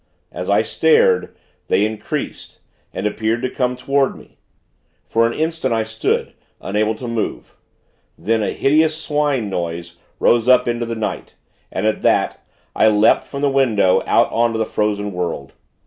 As I stared, they increased, and appeared to come toward me. For an instant, I stood, unable to move. Then a hideous swine noise rose up into the night; and, at that, I leapt from the window, out on to the frozen world.